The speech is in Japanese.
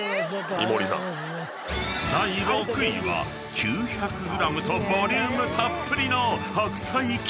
［第６位は９００ｇとボリュームたっぷりの］